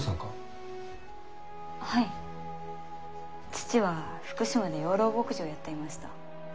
父は福島で養老牧場をやっていました。